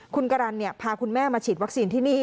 คุณกรรณพาคุณแม่มาฉีดวัคซีนที่นี่